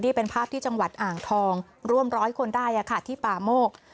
นี่เป็นภาพที่จังหวัดอ่างทองร่วมร้อยคนได้ที่ป่าโมก